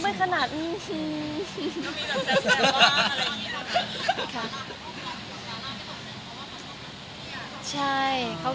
มีปิดฟงปิดไฟแล้วถือเค้กขึ้นมา